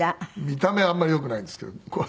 見た目はあんまりよくないんですけど。